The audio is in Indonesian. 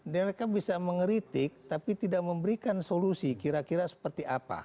mereka bisa mengeritik tapi tidak memberikan solusi kira kira seperti apa